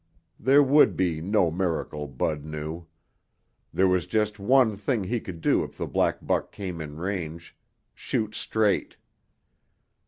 There would be no miracle, Bud knew. There was just one thing he could do if the black buck came in range shoot straight.